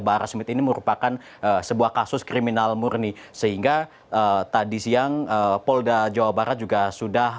bahar smith ini merupakan sebuah kasus kriminal murni sehingga tadi siang polda jawa barat juga sudah